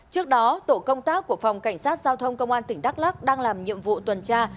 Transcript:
trước đó tổ công tác của phòng cảnh sát giao thông công an tỉnh đắk lắc đang làm nhiệm vụ tuần tra